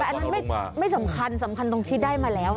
แต่มันไม่สำคัญสำคัญใต้ตอนได้มาแล้ว